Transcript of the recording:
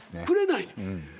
くれない。